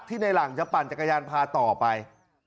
ในหลังจะปั่นจักรยานพาต่อไป